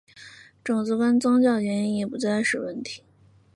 种族跟宗教原因已不再是问题。